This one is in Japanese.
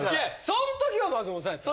そん時は松本さんやったね？